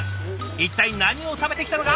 一体何を食べてきたのか